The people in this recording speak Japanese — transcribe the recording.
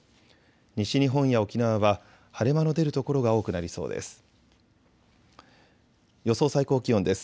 西日本や沖縄は晴れ間の出る所が多くなりそうです。